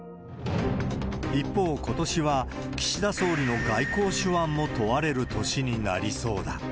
一方、ことしは岸田総理の外交手腕も問われる年になりそうだ。